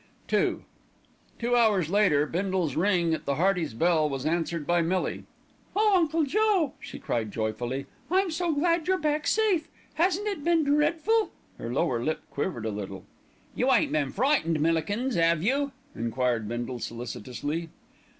II Two hours later Bindle's ring at the Heartys' bell was answered by Millie. "Oh, Uncle Joe!" she cried joyfully, "I'm so glad you're back safe. Hasn't it been dreadful?" Her lower lip quivered a little. "You ain't been frightened, Millikins, 'ave you?" enquired Bindle solicitously.